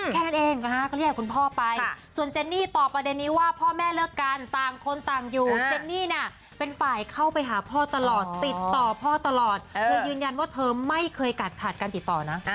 แค่นั้นเองนะฮะก็เรียกคุณพ่อไปส่วนเจนนี่ตอบประเด็นนี้ว่าพ่อแม่เลิกกันต่างคนต่างอยู่เจนนี่น่ะเป็นฝ่ายเข้าไปหาพ่อตลอดติดต่อพ่อตลอดเธอยืนยันว่าเธอไม่เคยกัดขาดการติดต่อนะ